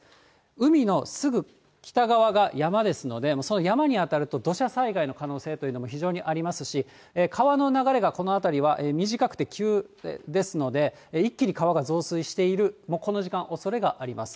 海のすぐ北側が山ですので、その山に当たると土砂災害の可能性というのが非常にありますし、川の流れがこの辺りは短くて急ですので、一気に川が増水している、もうこの時間、おそれがあります。